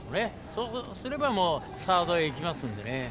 そうすればサードへ行きますので。